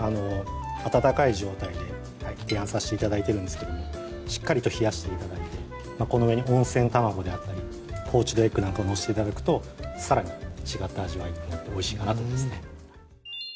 温かい状態で提案させて頂いてるんですけどもしっかりと冷やして頂いてこの上に温泉卵であったりポーチドエッグなんかを載せて頂くとさらに違った味わいになっておいしいかなと思いますね